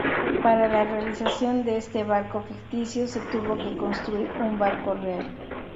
Para la realización de este barco ficticio, se tuvo que construir un barco real.